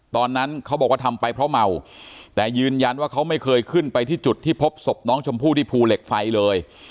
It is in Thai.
ตอนนั้นเขาบอกว่าทำไปเพราะเมาแต่ยืนยันว่าเขาไม่เคยขึ้นไปที่จุดที่พบศพน้องชมพู่ที่ภูเหล็กไฟเลย